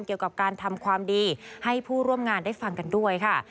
เกี่ยวกับการทำความดีให้ผู้ร่วมงานได้ฟังกันด้วยค่ะ